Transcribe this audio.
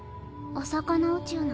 お魚宇宙なの。